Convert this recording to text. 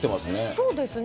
そうですね。